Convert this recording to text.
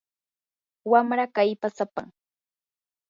wamraa kallpasapam.